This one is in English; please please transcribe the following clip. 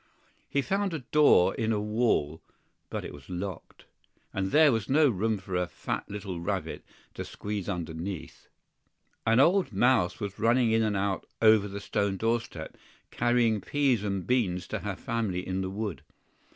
HE found a door in a wall; but it was locked, and there was no room for a fat little rabbit to squeeze underneath. An old mouse was running in and out over the stone doorstep, carrying peas and beans to her family in the wood.